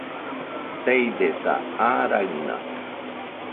Teidesa, aa raɨna